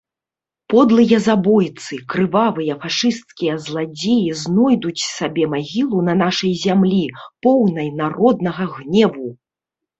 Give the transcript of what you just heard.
Подлыя забойцы, крывавыя фашысцкія зладзеі знойдуць сабе магілу на нашай зямлі, поўнай народнага гневу.